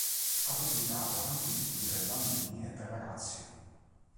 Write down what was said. Ha pubblicato anche libri per bambini e per ragazzi.